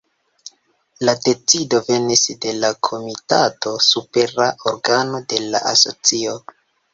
La decido venis de la Komitato, supera organo de la Asocio.